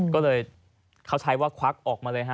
ก็เลยเขาใช้ว่าควักออกมาเลยฮะ